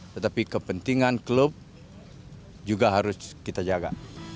tetapi kepentingan klub juga harus kita jaga